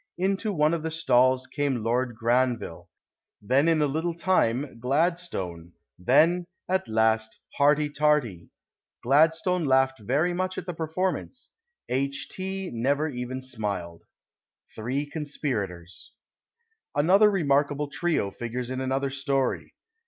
" Into one of the stalls came Ld. Granville ; then in a little time, Gladstone ; then, at last, Harty Tarty ! Gladstone laughed very much at the performance ; IL T. never even smiled. 3 conspirators. ..." Another remarkable trio figures in another story.